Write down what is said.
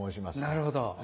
なるほど。